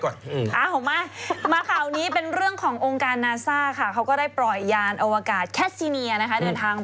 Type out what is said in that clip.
สวัสดีนะจะไปปะถะขาลงกับนาง